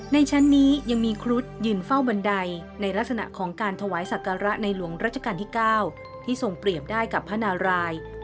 ในชั้นนี้ยังมีครุฑยืนเฝ้าบันไดในลักษณะของการถวายศักระในหลวงรัชกาลที่๙ที่ทรงเปรียบได้กับพระนาราย